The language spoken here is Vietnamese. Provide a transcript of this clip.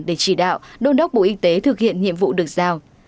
để chỉ đạo đôn đốc bộ y tế thực hiện nhiệm vụ được giao